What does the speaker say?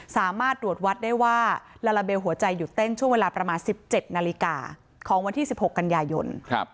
สามารถตรวจวัดได้ว่าลาลาเบลหัวใจหยุดเต้นช่วงเวลาประมาณ๑๗นาฬิกาของวันที่๑๖กันยายน